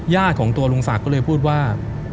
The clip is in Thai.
ญาติของตัวลุงสักก็เลยพูดว่า